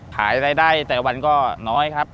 ขายรายได้แต่วันก็น้อยครับ